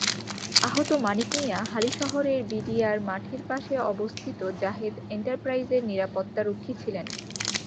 আহত মানিক মিয়া হালিশহরের বিডিআর মাঠের পাশে অবস্থিত জাহেদ এন্টারপ্রাইজের নিরাপত্তারক্ষী ছিলেন।